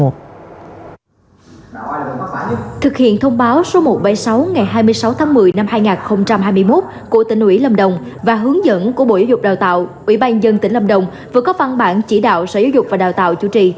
thực hiện thông báo số một trăm bảy mươi sáu ngày hai mươi sáu tháng một mươi năm hai nghìn hai mươi một của tỉnh ubnd và hướng dẫn của bộ giáo dục đào tạo ubnd tỉnh lâm đồng vừa có phân bản chỉ đạo sở giáo dục và đào tạo chủ trì